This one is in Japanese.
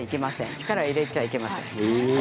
力を入れちゃいけません。